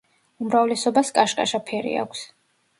უმრავლესობას კაშკაშა ფერი აქვს.